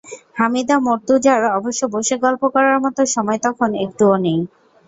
হামিদা মুর্তজার অবশ্য বসে গল্প করার মতো সময় তখন একটুও নেই।